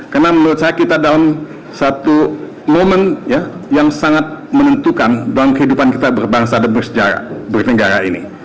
karena menurut saya kita dalam satu momen yang sangat menentukan dalam kehidupan kita berbangsa dan bernegara ini